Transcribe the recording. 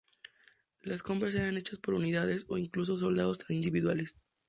Las compras eran hechas por unidades o incluso soldados individuales.